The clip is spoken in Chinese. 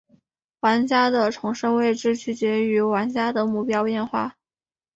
玩家的重生位置取决于玩家的目标变化。